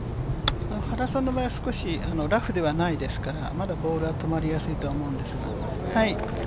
原さんの場合は少しラフではないですからまだボールは止まりやすいとは思うんですが。